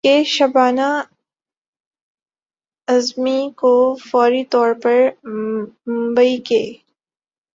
کہ شبانہ اعظمی کو فوری طور پر ممبئی کے